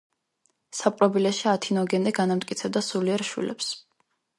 საპყრობილეში ათინოგენე განამტკიცებდა სულიერ შვილებს.